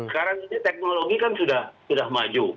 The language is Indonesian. karena teknologi kan sudah maju